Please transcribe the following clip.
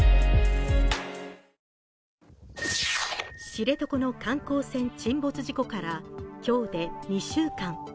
知床の観光船沈没事故から今日で２週間。